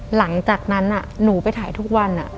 หลังจากนั้นหนูไปถ่ายทุกวัน